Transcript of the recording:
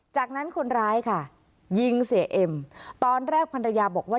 จากนั้นคนร้ายค่ะยิงเสียเอ็มตอนแรกภรรยาบอกว่า